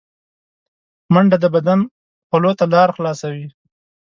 منډه د بدن خولو ته لاره خلاصوي